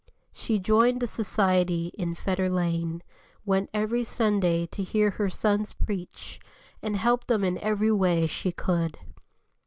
She joined the Society in Fetter Lane, went every Sunday to hear her sons preach, and helped them in every way she could.